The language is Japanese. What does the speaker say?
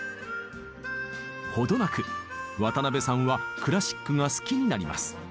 程なく渡辺さんはクラシックが好きになります。